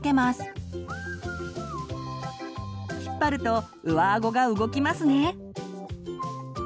引っ張ると上あごが動きますね。